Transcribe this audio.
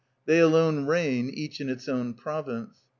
They alone reign, each in its own province.